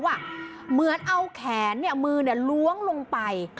เหมือนเอาแขนมือล้วงลงไป